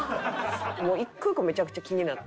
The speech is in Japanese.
もう一個一個めちゃくちゃ気になって。